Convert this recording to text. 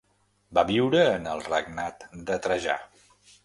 Va viure en el regnat de Trajà.